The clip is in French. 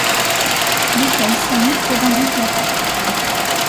L’État islamique revendique l’attaque.